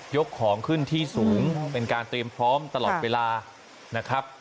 ของขึ้นที่สูงเป็นการเตรียมพร้อมตลอดเวลานะครับ